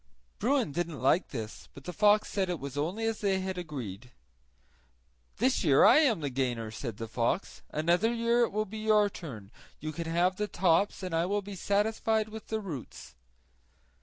Bruin didn't like this, but the fox said it was only as they had agreed. "This year I am the gainer," said the fox; "another year it will be your turn; you can then have the tops and I will be satisfied with the roots."